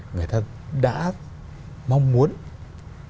người ta đã mong muốn tìm cách